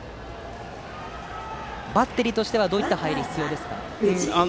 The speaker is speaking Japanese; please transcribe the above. バッテリーとしてはどういう入りが必要ですか？